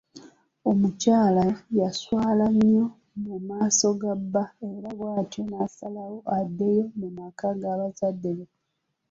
Omukyala yaswaala nnyo mu maaso ga bba era bwatyo n'asalawo addeyo mu maka ga bazadde be.